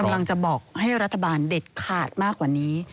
กำลังจะบอกให้รัฐบาลเด็ดขาดมากกว่านี้